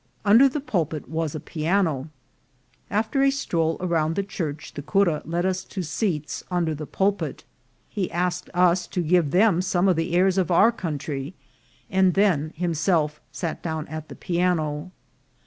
Under the pulpit was a piano. After a stroll around the church, the cura led us to seats under the pulpit. He asked us to give them some of the airs of our country, and then himself sat down at the piano.